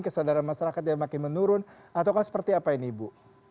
kesadaran masyarakat yang makin menurun atau seperti apa ini ibu